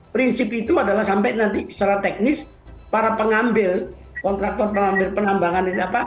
prinsip itu adalah sampai nanti secara teknis para pengambil kontraktor penambangan